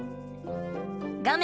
画面